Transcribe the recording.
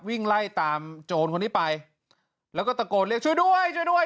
วิ่งไล่ตามโจรคนนี้ไปแล้วก็ตะโกนเรียกช่วยด้วยช่วยด้วย